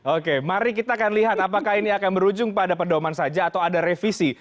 oke mari kita akan lihat apakah ini akan berujung pada pedoman saja atau ada revisi